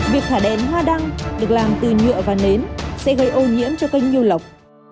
việc thả đèn hoa đăng được làm từ nhựa và nến sẽ gây ô nhiễm cho kênh du lọc